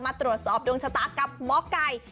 มาตรวจสอบดวงชะตากับหมอไก่